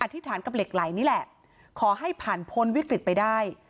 ธิษฐานกับเหล็กไหลนี่แหละขอให้ผ่านพ้นวิกฤตไปได้